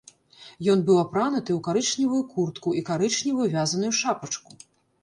Ён быў апрануты ў карычневую куртку і карычневую вязаную шапачку.